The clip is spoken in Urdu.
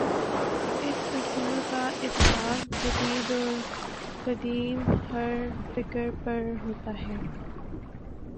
اس اصول کا اطلاق جدید اور قدیم، ہر فکرپر ہوتا ہے۔